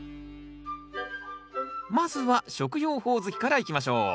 まずは食用ホオズキからいきましょう。